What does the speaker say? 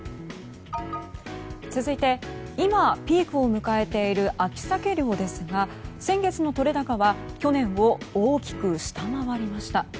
続いて今、ピークを迎えている秋サケ漁ですが先月の取れ高は去年を大きく下回りました。